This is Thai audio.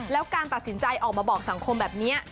แล้วการตัดสินใจออกมาบอกสังคมแบบนี้